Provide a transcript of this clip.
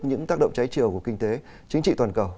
những tác động cháy trều của kinh tế chính trị toàn cầu